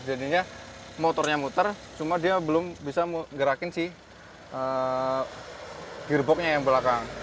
jadinya motornya muter cuma dia belum bisa gerakin si gearboxnya yang belakang